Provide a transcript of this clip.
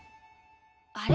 あれ？